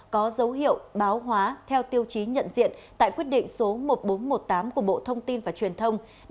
có dấu hiệu báo hóa theo tiêu chí nhận diện tại quyết định số một nghìn bốn trăm một mươi tám của bộ thông tin và truyền thông